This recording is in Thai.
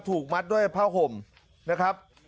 ถูกมัดด้วยผ้าห่มนะครับ